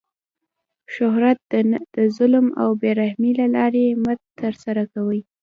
شهرت د ظلم او بې رحمۍ له لاري مه ترسره کوئ!